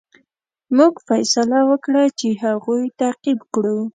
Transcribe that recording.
موږ فیصله وکړه چې هغوی تعقیب کړو.